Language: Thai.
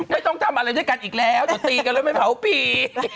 ไม่ต้องทำอะไรด้วยกันอีกแล้วเดี๋ยวตีกันแล้วไม่เผาผี